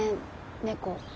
猫。